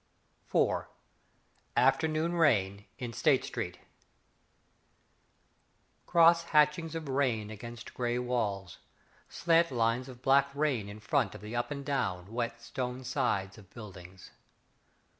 IV Afternoon Rain in State Street Cross hatchings of rain against grey walls, Slant lines of black rain In front of the up and down, wet stone sides of buildings.